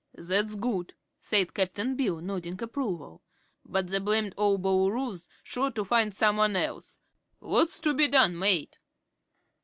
"That's good," said Cap'n Bill, nodding approval; "but the blamed ol' Bool'roo's sure to find some one else. What's to be done, mate?"